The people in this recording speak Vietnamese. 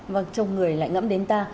và trong người lại ngẫm đến ta